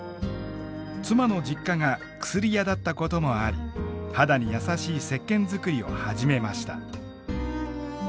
妻の実家が薬屋だったこともあり肌に優しいせっけん作りを始めました。